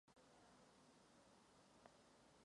Samička klade vajíčka na spodní straně listů.